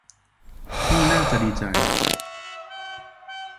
นี่น่าจะดีใจ